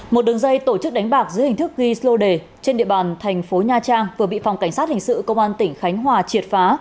một đường dây tổ chức đánh bạc dưới hình thức ghi số lô đề trên địa bàn thành phố nha trang vừa bị phòng cảnh sát hình sự công an tỉnh khánh hòa triệt phá